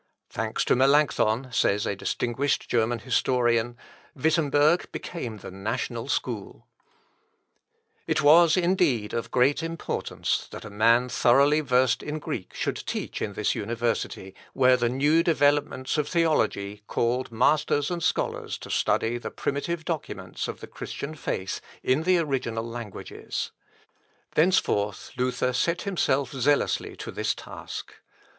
"Thanks to Melancthon," says a distinguished German historian, "Wittemberg became the national school." Plank. It was, indeed, of great importance, that a man thoroughly versed in Greek should teach in this university, where the new developments of theology called masters and scholars to study the primitive documents of the Christian faith in the original languages. Thenceforth Luther set himself zealously to this task.